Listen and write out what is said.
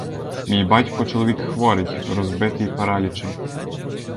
Мій батько чоловік хворий, розбитий паралічем.